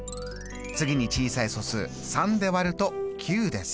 次に小さい素数３で割ると９です。